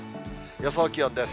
予想気温です。